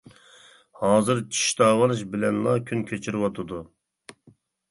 ھازىر چىش داۋالاش بىلەنلا كۈن كەچۈرۈۋاتىدۇ.